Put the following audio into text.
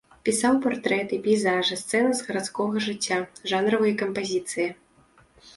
Пісаў партрэты, пейзажы, сцэны з гарадскога жыцця, жанравыя кампазіцыі.